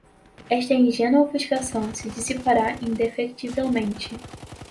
esta ingênua ofuscação se dissipará indefectivelmente